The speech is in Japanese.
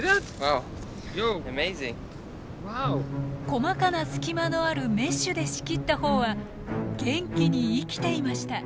細かな隙間のあるメッシュで仕切った方は元気に生きていました。